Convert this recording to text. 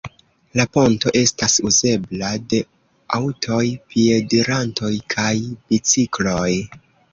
La ponto estas uzebla de aŭtoj, piedirantoj kaj bicikloj.